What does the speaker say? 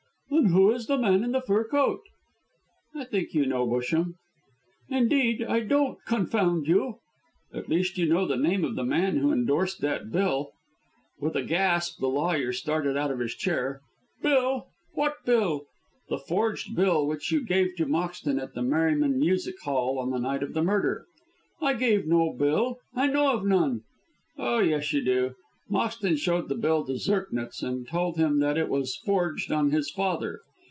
"And who is the man in the fur coat?" "I think you know, Busham." "Indeed, I don't, confound you!" "At least you know the name of the man who endorsed that bill." With a gasp the lawyer started out of his chair. "Bill? What bill?" "The forged bill which you gave to Moxton at the Merryman Music Hail on the night of the murder." "I gave no bill. I know of none." "Oh, yes, you do. Moxton showed the bill to Zirknitz and told him that it was forged on his father.